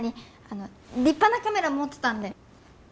あの立派なカメラ持ってたんで！